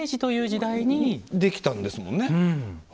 できたんですもんね。